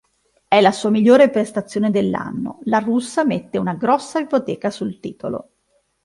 È la sua migliore prestazione dell'anno; la russa mette una grossa ipoteca sul titolo.